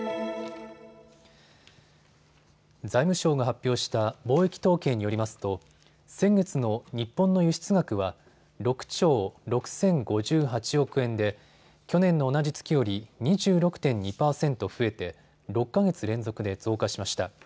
財務省が発表した貿易統計によりますと先月の日本の輸出額は６兆６０５８億円で去年の同じ月より２６．２％増えて６か月連続で増加しました。